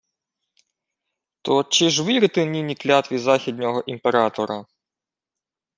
— То чи ж вірити нині клятві західнього імператора?